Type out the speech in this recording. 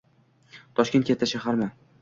Toshkent katta shaharmi?